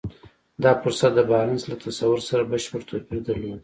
دا فرصت د بارنس له تصور سره بشپړ توپير درلود.